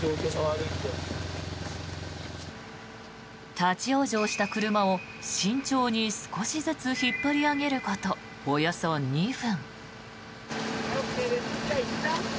立ち往生した車を慎重に少しずつ引っ張り上げることおよそ２分。